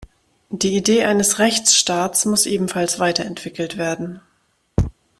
Die Idee eines Rechtsstaats muss ebenfalls weiterentwickelt werden.